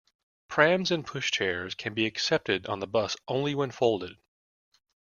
Prams and pushchairs can be accepted on the bus only when folded